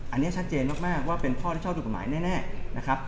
อันนี้ชัดเจนมากว่าเป็นข้อที่ชอบถูกกฎหมายแน่นะครับ